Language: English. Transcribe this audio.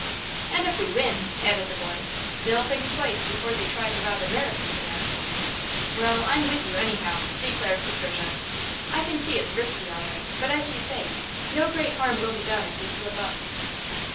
"And if we win," added the boy, "they'll think twice before they try to rob Americans again." "Well, I'm with you, anyhow," declared Patricia. "I can see it's risky, all right; but as you say, no great harm will be done if we slip up."